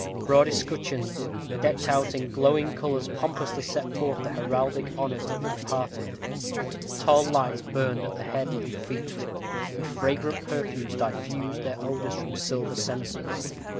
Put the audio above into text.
Broad escutcheons, decked out in glowing colors pompously set forth the heraldic honors of the departed. Tall lights burned at the head and feet, and fragrant perfumes diffused their odors from silver censers.